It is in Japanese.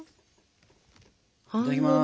いただきます。